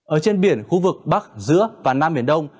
ở trên biển khu vực bắc giữa và nam biển đông